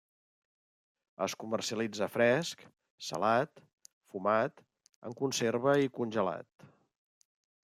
Es comercialitza fresc, salat, fumat, en conserva i congelat.